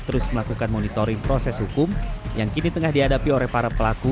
terus melakukan monitoring proses hukum yang kini tengah dihadapi oleh para pelaku